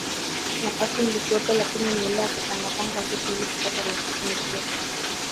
Nafasi ilikuwepo lakini ni ile ya kupangapanga vitu ili kupata nafasi nzuri